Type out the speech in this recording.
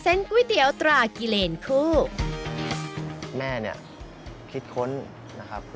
พ่อหลวงของปวงราชประชาชาติปราธนาบำบวงมาลาน้อมนำมาถวายพระพร